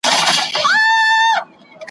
يوسف عليه السلام سبا زموږ سره ملګری کړه.